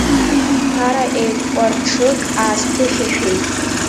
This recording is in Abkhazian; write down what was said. Ԥара еикәарҽык аасԥыхьашәеит…